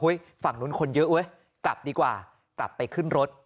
ฝั่งนู้นคนเยอะเว้ยกลับดีกว่ากลับไปขึ้นรถ